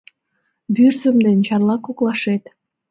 Вӱрзым дене Чарла коклашет